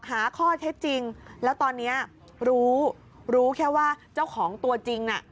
หาข้อเท็จจริงแล้วตอนนี้รู้รู้แค่ว่าเจ้าของตัวจริงน่ะ